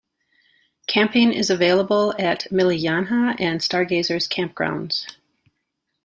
Camping is available at Miliyanha and Stargazers campgrounds.